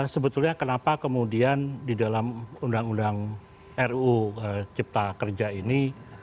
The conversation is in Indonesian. sebetulnya kenapa kemudian di dalam undang undang ruu cipta kerja ini